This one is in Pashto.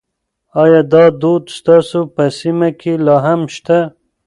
ایا دا دود ستاسو په سیمه کې لا هم شته؟